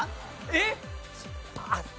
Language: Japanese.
えっ！？